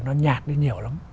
nó nhạt đi nhiều lắm